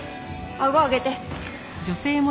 あご上げて。